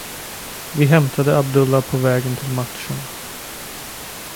Vi hämtade Abdullah på vägen till matchen.